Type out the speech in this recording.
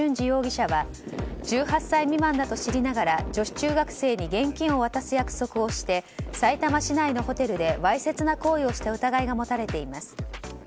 容疑者は１８歳未満だと知りながら女子中学生に現金を渡す約束をしてさいたま市内のホテルでわいせつな行為をした疑いが持たれています。